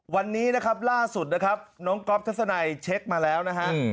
วันนี้นะครับล่าสุดนะครับน้องก๊อฟทัศนัยเช็คมาแล้วนะฮะ